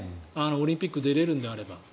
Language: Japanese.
オリンピックに出られるのであれば。